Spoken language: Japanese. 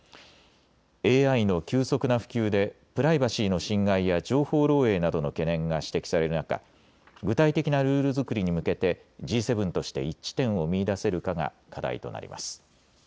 ＡＩの急速な普及でプライバシーの侵害や情報漏えいなどの懸念が指摘される中、具体的なルール作りに向けてＧ７として一致点を見いだせるかが課題となります。